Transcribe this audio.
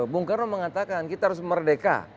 bung karno mengatakan kita harus merdeka